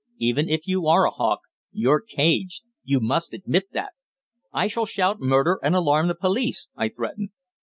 "Even if you are a hawk, you're caged. You must admit that!" "I shall shout murder, and alarm the police," I threatened.